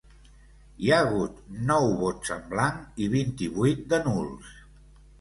Hi ha hagut nou vots en blanc i vint-i-vuit de nuls.